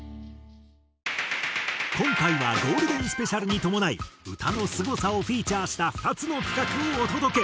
今回はゴールデンスペシャルに伴い歌のすごさをフィーチャーした２つの企画をお届け。